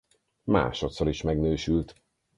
Másodszor is megnősült.